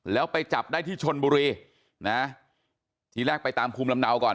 แล้วไปจับได้ที่ชนบุรีนะทีแรกไปตามภูมิลำเนาก่อน